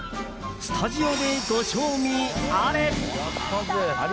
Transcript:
スタジオでご賞味あれ！